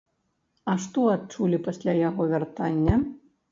А што адчулі пасля яго вяртання?